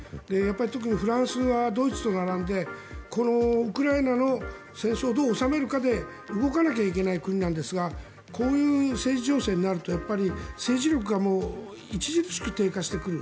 特にフランスはドイツと並んでウクライナの戦争をどう収めるかで動かなきゃいけない国なんですがこういう政治情勢になるとやっぱり政治力が著しく低下してくる。